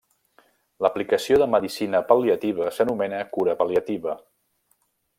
L'aplicació de medicina pal·liativa s'anomena cura pal·liativa.